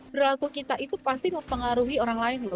berlaku kita itu pasti mempengaruhi orang lain loh